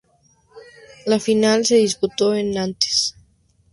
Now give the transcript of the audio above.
La final se disputó en Nantes.